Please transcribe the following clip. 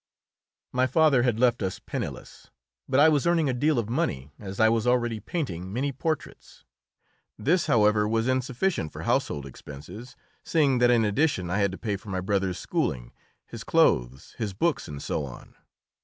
My father had left us penniless. But I was earning a deal of money, as I was already painting many portraits. This, however, was insufficient for household expenses, seeing that in addition I had to pay for my brother's schooling, his clothes, his books, and so on.